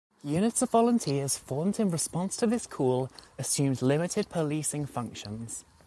Units of volunteers, formed in response to this call, assumed limited policing functions.